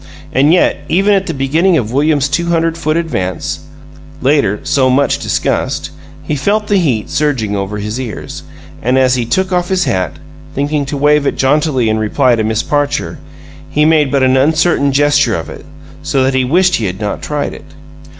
And yet, even at the beginning of William's two hundred foot advance (later so much discussed) he felt the heat surging over his ears, and, as he took off his hat, thinking to wave it jauntily in reply to Miss Parcher, he made but an uncertain gesture of it, so that he wished he had not tried it.